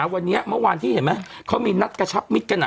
มัยยังไม่